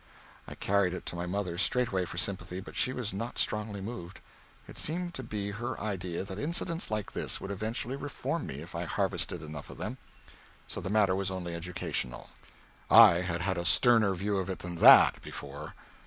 I carried it to my mother straightway for sympathy, but she was not strongly moved. It seemed to be her idea that incidents like this would eventually reform me if I harvested enough of them. So the matter was only educational. I had had a sterner view of it than that, before.